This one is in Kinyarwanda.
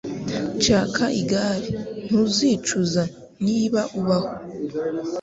Shaka igare. Ntuzicuza, niba ubaho.